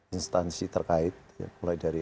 instansi terkait mulai dari